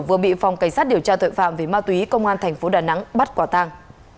vừa bị phòng cảnh sát điều tra tội phạm về ma túy công an thành phố đà nẵng bắt quả tang